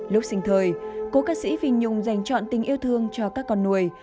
lúc sinh thời cô ca sĩ phi nhung dành trọn tình yêu thương cho các con nuôi